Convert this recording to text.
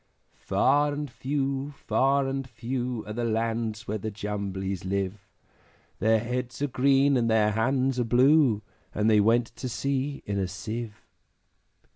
Far and few, far and few, Are the lands where the Jumblies live; Their heads are green, and their hands are blue, And they went to sea in a Sieve.